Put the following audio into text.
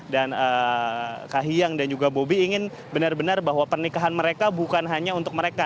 dan kak hiyang dan juga bobi ingin benar benar bahwa pernikahan mereka bukan hanya untuk mereka